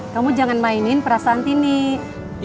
kamu jangan mainin perasaan tini ya